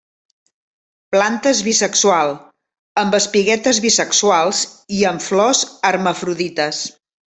Plantes bisexual, amb espiguetes bisexuals i amb flors hermafrodites.